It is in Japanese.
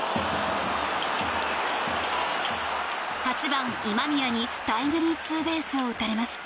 ８番、今宮にタイムリーツーベースを打たれます。